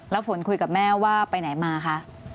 แล้วฝนคุยกับแม่ว่าไปไหนมาคะ